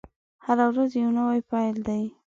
هره ورځ يو نوی پيل دی.